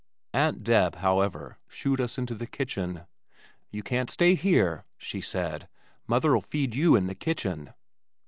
Aunt Deb, however shooed us out into the kitchen. "You can't stay here," she said. "Mother'll feed you in the kitchen."